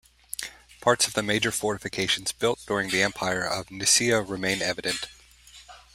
Parts of the major fortifications built during the Empire of Nicea remain evident.